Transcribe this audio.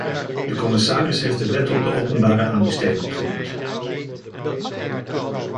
De commissaris heeft de wet op de openbare aanbestedingen genoemd.